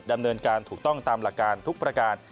ดำเนินการถูกต้องตามหลักการทุกประการ